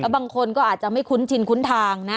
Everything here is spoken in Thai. บางคนก็อาจจะไม่คุ้นชินคุ้นทางนะ